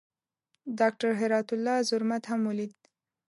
ډاکټر هرات الله زرمت هم ولید.